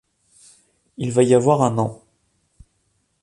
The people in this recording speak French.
Il va y avoir un an.